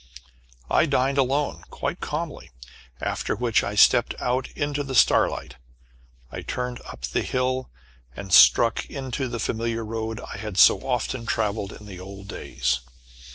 I dined alone, quite calmly, after which I stepped out into the starlight. I turned up the hill, and struck into the familiar road I had so often travelled in the old days.